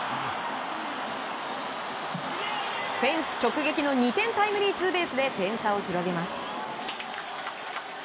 フェンス直撃の２点タイムリーツーベースで点差を広げます。